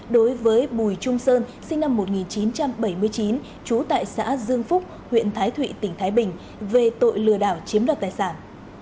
đối với bùi trung sơn sinh năm một nghìn chín trăm bảy mươi chín trú tại xã dương phúc huyện thái thụy tỉnh thái bình về tội lừa đảo chiếm đoạt tài sản